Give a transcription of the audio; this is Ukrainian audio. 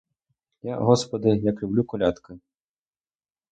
Я, господи, як люблю колядки.